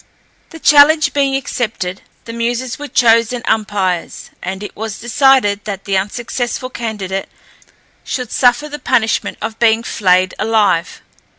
The challenge being accepted, the Muses were chosen umpires, and it was decided that the unsuccessful candidate should suffer the punishment of being flayed alive.